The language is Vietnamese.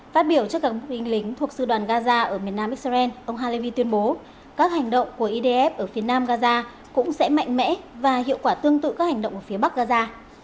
phát biểu cho các quân lĩnh thuộc sư đoàn gaza ở miền nam xrn ông halevy tuyên bố các hành động của idf ở phía nam gaza cũng sẽ mạnh mẽ và hiệu quả tương tự các hành động ở phía bắc gaza